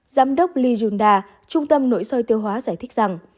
giám đốc ly yunda trung tâm nội soi tiêu hóa giải thích rằng